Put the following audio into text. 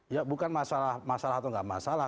ya bukan masalah atau nggak masalah